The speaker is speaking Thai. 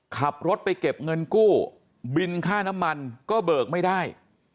ขับรถไปเก็บเงินกู้บินค่าน้ำมันก็เบิกไม่ได้